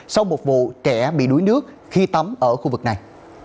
sau một vụ trẻ bị đuối nước khi tắm ở khu vực này